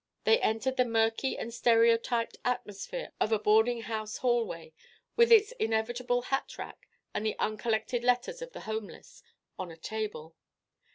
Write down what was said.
They entered the murky and stereotyped atmosphere of a boarding house hallway, with its inevitable hat rack and the uncollected letters of the homeless on a table.